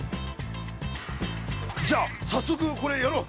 じゃあ早速これやろう！